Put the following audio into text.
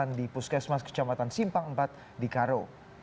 yang di puskesmas kecamatan simpang empat di karo